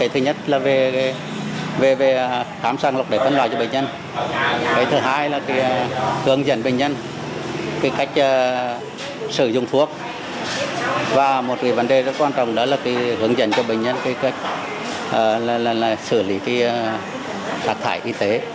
hướng dẫn bệnh nhân cách sử dụng thuốc và một vấn đề rất quan trọng đó là hướng dẫn cho bệnh nhân cách xử lý rác thải y tế